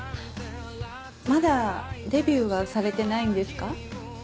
まだデビューはされてないんですか？